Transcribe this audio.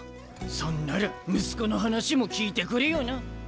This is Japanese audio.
そんなら息子の話も聞いてくれよな。